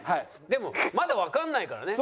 でもまだわかんないからね。